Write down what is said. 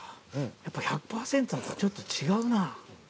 やっぱ１００％だとちょっと違うな。